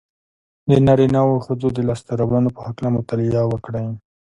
د نارينهوو او ښځو د لاسته راوړنو په هکله مطالعه وکړئ.